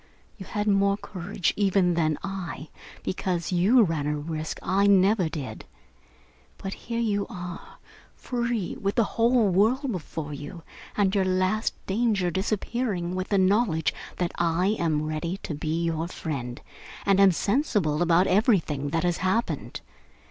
You had more courage, even, than I, because you ran a risk I never did. But here you are, free, with the whole world before you, and your last danger disappearing with the knowledge that I am ready to be your friend and am sensible about everything that has happened.